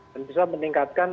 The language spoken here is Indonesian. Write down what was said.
dan bisa meningkatkan